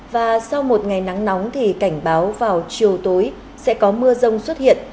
và sau một ngày nắng nóng thì cảnh báo vào chiều tối sẽ có mưa rông xuất hiện